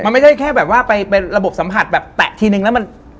มันไม่ใช่แค่แบบว่าไประบบสัมผัสแบบแตะทีนึงแล้วมัน